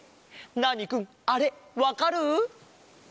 ナーニくんあれわかる？